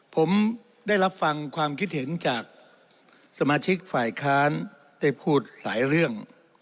ผมได้รับฟังความคิดเห็นจากสมาชิกฝ่ายค้านได้พูดหลายเรื่อง